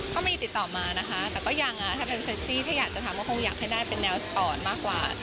ก็มีติดต่อมานะคะแต่ก็ยังถ้าเป็นเซ็กซี่ถ้าอยากจะทำก็คงอยากให้ได้เป็นแนวสปอร์ตมากกว่า